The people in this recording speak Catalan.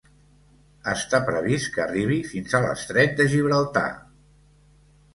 Està previst que arribi fins a l'estret de Gibraltar.